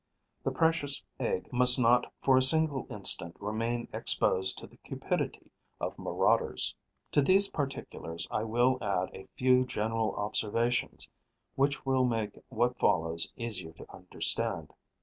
The precious egg must not for a single instant remain exposed to the cupidity of marauders. To these particulars I will add a few general observations which will make what follows easier to understand.